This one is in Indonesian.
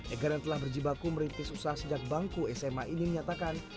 egar yang telah berjibaku merintis usaha sejak bangku sma ini menyatakan